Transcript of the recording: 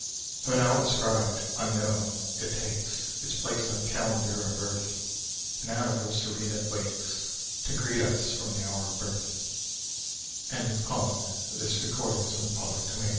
Though now inscribed "unknown" it takes Its place on calendar of earth, An anniversary that wakes To greet us from the hour of birth! SONGS OF PATRIOTISM OUR BIRTHRIGHT God of the Nations!